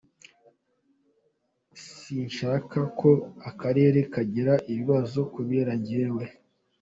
Sinshaka ko akarere kagira ibibazo kubera njyewe.”